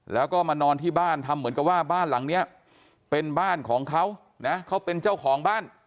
แล้วก็มานอนที่บ้านทำเหมือนกับว่าบ้านหลังนี้เป็นบ้านของเขานะเขาเป็นเจ้าของบ้าน